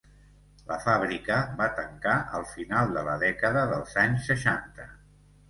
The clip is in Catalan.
La fàbrica va tancar al final de la dècada dels anys seixanta.